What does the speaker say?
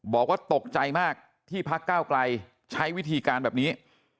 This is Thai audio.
บอกว่าตกใจมากที่พักก้าวไกลใช้วิธีการแบบนี้